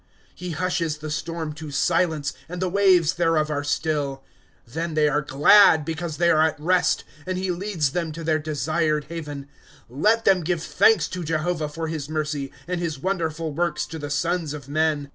^^ He hushes the storm to silence, And the waves thereof sire still. ^° Then are they glad, because they are at rest, And he leads them to their desired haven. ^^ Let them give thanks to Jehovah for his mercy, And his wonderful works to the sons of men.